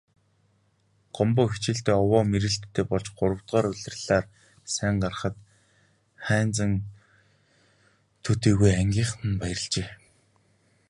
Гомбо хичээлдээ овоо мэрийлттэй болж гуравдугаар улирлаар сайн гарахад Хайнзан төдийгүй ангийнхан нь баярлажээ.